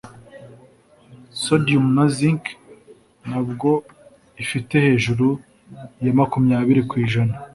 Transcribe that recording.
sodium na zinc nabyo ifite hejuru ya makumyabiri kwijana